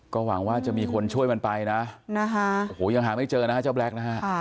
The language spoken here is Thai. ก็หวังว่าจะมีคนช่วยมันไปนะโอ้โหยังหาไม่เจอนะฮะเจ้าแล็คนะฮะ